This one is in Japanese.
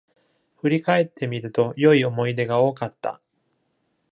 振り返ってみると、良い思い出が多かった